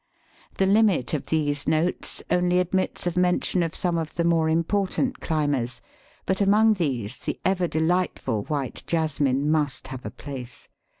The limit of these notes only admits of mention of some of the more important climbers; but among these the ever delightful white Jasmine must have a place.